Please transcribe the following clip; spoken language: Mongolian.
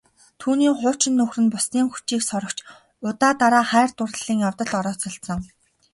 Түүний хуучин нөхөр нь бусдын хүчийг сорогч удаа дараа хайр дурлалын явдалд орооцолдсон.